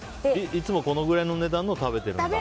いつもこのくらいの値段のを食べてるんだ。